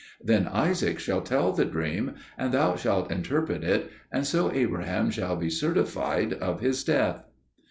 Then Isaac shall tell the dream, and thou shalt interpret it, and so Abraham shall be certified of his death."